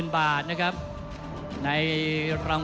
ท่านแรกครับจันทรุ่ม